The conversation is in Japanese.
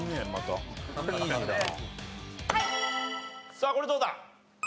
さあこれどうだ？